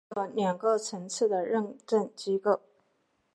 美国有两个层次的认证机构。